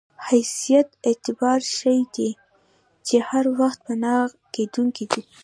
حیثیت اعتباري شی دی چې هر وخت پناه کېدونکی دی.